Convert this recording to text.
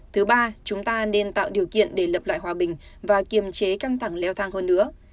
thứ ba chúng ta nên tạo điều kiện để lập lại hòa bình và kiềm chế căng thẳng leo thang hơn nữa